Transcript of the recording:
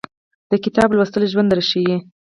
د کتاب لوستل ژوند درښایي